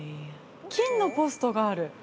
金のポストがある。